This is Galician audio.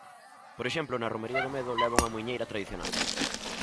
Por exemplo, Na romaría do medo, leva unha muiñeira tradicional.